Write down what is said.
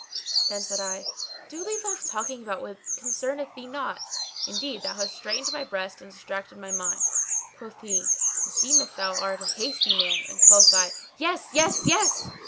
"[FN#617] Then said I, "Do leave off talking about what concerneth thee not: indeed thou hast straitened my breast and distracted my mind." Quoth he, "Meseems thou art a hasty man;" and quoth I, "Yes ! yes! yes!"